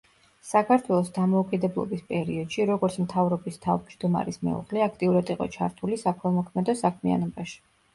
საქართველოს დამოუკიდებლობის პერიოდში, როგორც მთავრობის თავმჯდომარის მეუღლე, აქტიურად იყო ჩართული საქველმოქმედო საქმიანობაში.